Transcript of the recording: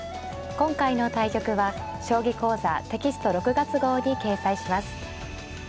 今回の対局は「将棋講座」テキスト６月号に掲載します。